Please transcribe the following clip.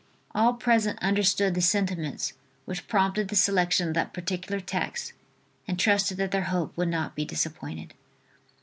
All present understood the sentiments which prompted the selection of that particular text and trusted that their hope would not be disappointed.